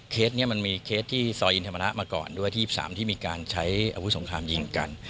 นี้มันมีเคสที่ซอยอินธรรมนะมาก่อนด้วยที่๒๓ที่มีการใช้อาวุธสงครามยิงกัน